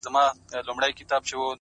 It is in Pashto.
باران دی” وريځ ده ستا سترگي پټې”